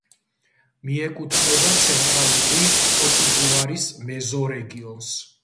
მიეკუთვნება ცენტრალური პოტიგუარის მეზორეგიონს.